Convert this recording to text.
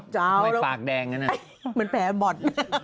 เจ้าแล้วเหมือนแผลบอด